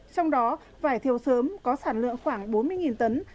trong đó vải thiều sớm có sản lượng khoảng bốn mươi tấn